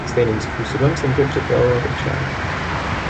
Stejným způsobem se může připravovat i čaj.